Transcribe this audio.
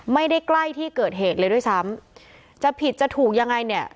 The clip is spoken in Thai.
ใกล้ที่เกิดเหตุเลยด้วยซ้ำจะผิดจะถูกยังไงเนี่ย